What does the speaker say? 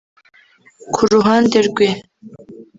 Ku ruhande rwe